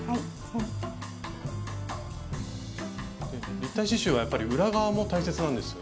立体刺しゅうはやっぱり裏側も大切なんですよね。